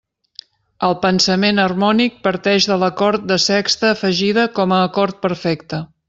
El pensament harmònic parteix de l'acord de sexta afegida com a acord perfecte.